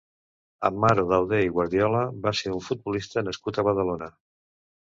Amaro Dauder i Guardiola va ser un futbolista nascut a Badalona.